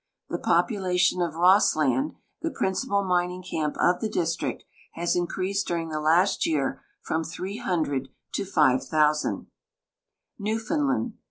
The population of Rossland, the principal mining camp of the district, has increased during the last year from 300 to 5,000. Newfoundland.